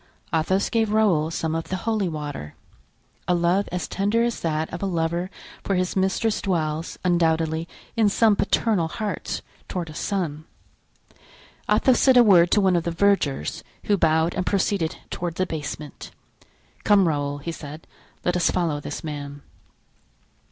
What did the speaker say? Athos gave Raoul some of the holy water. A love as tender as that of a lover for his mistress dwells, undoubtedly, in some paternal hearts toward a son. Athos said a word to one of the vergers, who bowed and proceeded toward the basement. "Come, Raoul," he said, "let us follow this man."